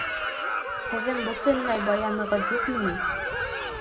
Һеҙҙең бөтөнләй баянығыҙ юҡмы ни?